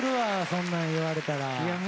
そんなん言われたら。